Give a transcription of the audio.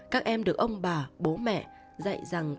các em được ông bà bố mẹ dạy rằng